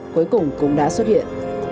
cuối cùng cũng đã xuất hiện